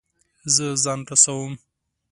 زه ځان رسوم